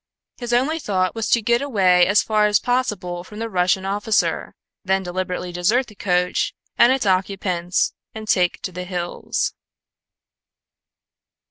His only thought was to get away as far as possible from the Russian officer, then deliberately desert the coach and its occupants and take to the hills.